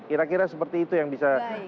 kira kira seperti itu yang bisa